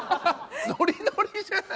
ノリノリじゃない！